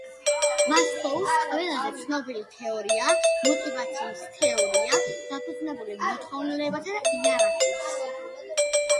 მასლოუს ყველაზე ცნობილი თეორია მოტივაციის თეორიაა, დაფუძნებული მოთხოვნილებათა იერარქიის მოდელზე.